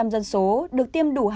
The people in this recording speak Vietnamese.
bảy mươi dân số được tiêm đủ